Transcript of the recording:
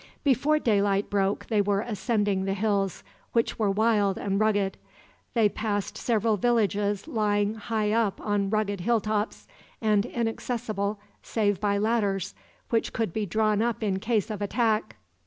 Before daylight broke they were ascending the hills, which were wild and rugged. They passed several villages lying high up on rugged hilltops, and inaccessible, save by ladders, which could be drawn up in case of attack.